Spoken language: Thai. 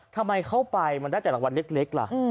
ทำไมเข้าไปมันได้แต่รางวัลเล็กล่ะ